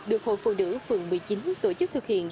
được hội phụ nữ phường một mươi chín tổ chức thực hiện